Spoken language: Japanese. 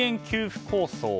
給付構想。